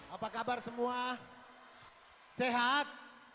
apa kabar semua sehat